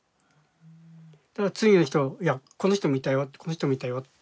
そしたら次の人いやこの人もいたよこの人もいたよって。